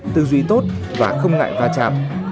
tư duy tốt và không ngại va chạm